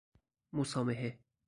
مسامحه